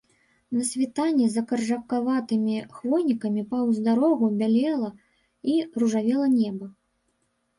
На світанні за каржакаватымі хвойнікамі паўз дарогу бялела і ружавела неба.